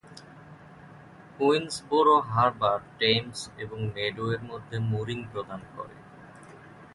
কুইন্সবোরো Harbour Thames এবং মেডওয়ের মধ্যে মুরিং প্রদান করে।